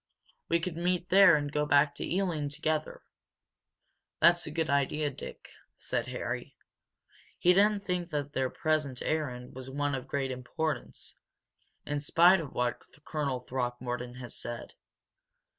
We could meet there and go back to Ealing together." "That's a good idea, Dick," said Harry. He didn't think that their present errand was one of great importance, in spite of what Colonel Throckmorton had said.